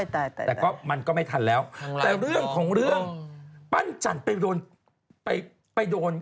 แต่แต่ก็มันก็ไม่ทันแล้วแต่เรื่องของเรื่องปั้นจันทร์ไปโดนไปโดน